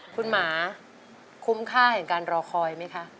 คุณหมาคุ้มค่าแห่งการรอคอยไหมคะ